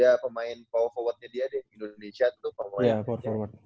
ya pemain power forwardnya dia deh indonesia tuh pemain power forwardnya